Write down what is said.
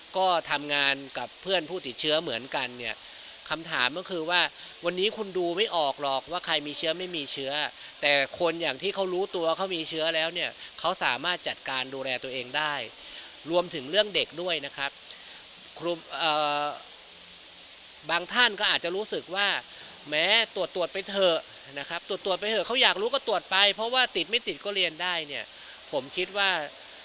ก็ทำงานกับเพื่อนผู้ติดเชื้อเหมือนกันเนี่ยคำถามก็คือว่าวันนี้คุณดูไม่ออกหรอกว่าใครมีเชื้อไม่มีเชื้อแต่คนอย่างที่เขารู้ตัวเขามีเชื้อแล้วเนี่ยเขาสามารถจัดการดูแลตัวเองได้รวมถึงเรื่องเด็กด้วยนะครับบางท่านก็อาจจะรู้สึกว่าแม้ตรวจตรวจไปเถอะนะครับตรวจตรวจไปเถอะเขาอยากรู้ก็ตรวจไปเพราะว่าติดไม่ติดก็เรียนได้เนี่ยผมคิดว่า